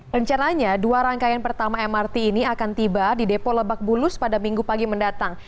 rencananya dua rangkaian pertama mrt ini akan tiba di depo lebak bulus pada minggu pagi mendatang